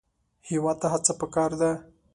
هېواد ته هڅه پکار ده